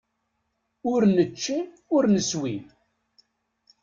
Ur nečči, ur neswi.